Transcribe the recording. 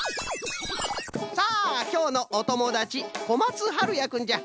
さあきょうのおともだちこまつはるやくんじゃ。